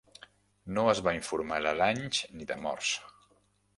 No es va informar de danys ni de morts.